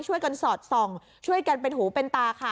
สอดส่องช่วยกันเป็นหูเป็นตาค่ะ